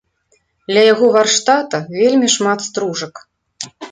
Ля яго варштата вельмі шмат стружак.